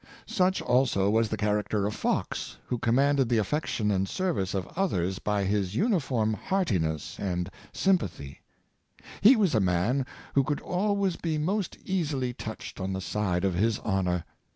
'' Such also was the character of Fox, who commanded 72 The Inspiration of Energy. the affection and service of others by his uniform heart iness and sympathy. He was a man who could always be most easily touched on the side of his honor.